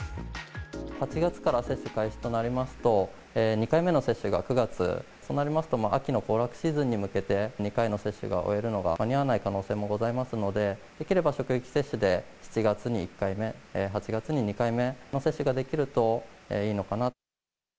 ８月から接種開始となりますと、２回目の接種が９月、そうなりますと、あきのこうらくしーずんにむけて２回の接種を終えるのが間に合わない可能性もございますので、できれば職域接種で７月に１回目、８月に２回目の接種ができるといいのかな。